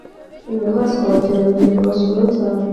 inyamaswa abakerarugendo basura cyane